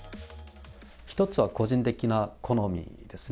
一つは個人的な好みですね。